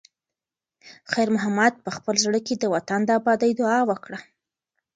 خیر محمد په خپل زړه کې د وطن د ابادۍ دعا وکړه.